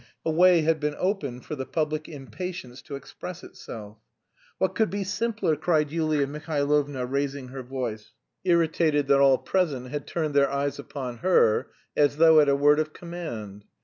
A way had been opened for the public impatience to express itself. "What could be simpler?" cried Yulia Mihailovna, raising her voice, irritated that all present had turned their eyes upon her, as though at a word of command.